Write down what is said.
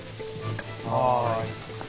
はい。